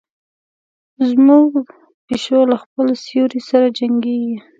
زموږ پیشو له خپل سیوري سره جنګیږي.